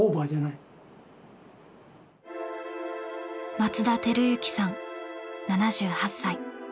松田輝幸さん７８歳。